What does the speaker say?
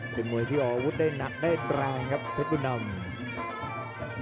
เป็นมวยที่ออกอาวุธได้หนักได้แรงครับเพชรบุญดำ